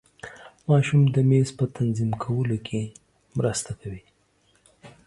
ماشوم د میز په تنظیم کولو کې مرسته کوي.